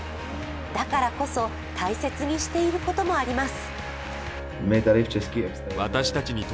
だからこそ、大切にしていることもあります。